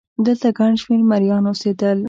دلته ګڼ شمېر مریان اوسېدل.